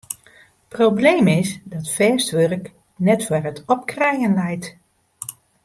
Probleem is dat fêst wurk net foar it opkrijen leit.